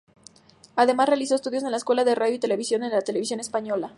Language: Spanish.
Además realizó estudios en la Escuela de Radio y televisión de la Televisión Española.